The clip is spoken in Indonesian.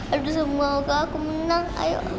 aduh semoga aku menang ayo